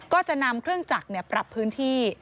ก็จะนำเครื่องจักรปรับพื้นที่